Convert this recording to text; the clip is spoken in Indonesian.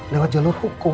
lewat jalur hukum